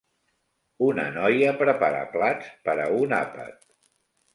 Una noia prepara plats per a un àpat.